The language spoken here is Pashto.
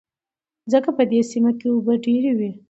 ځکه په دې سيمه کې اوبه ډېر وې.